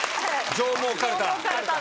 上毛かるた。